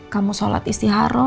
kamu sholat istihara